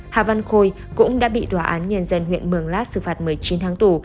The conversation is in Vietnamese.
hà văn khôi cũng đã bị tòa án nhân dân huyện mường lát xử phạt một mươi chín tháng tù